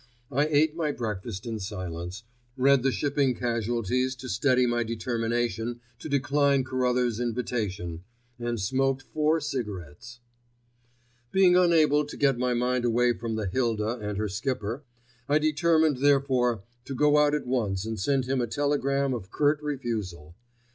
I ate my breakfast in silence, read the shipping casualties to steady my determination to decline Carruthers' invitation, and smoked four cigarettes. Being unable to get my mind away from the Hilda and her skipper, I determined, therefore, to go out at once and send him a telegram of curt refusal.